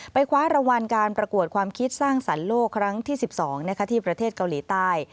คว้ารางวัลการประกวดความคิดสร้างสรรค์โลกครั้งที่๑๒ที่ประเทศเกาหลีใต้